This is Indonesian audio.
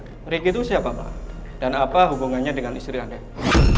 ricky itu siapa pak dan apa hubungannya dengan istri anda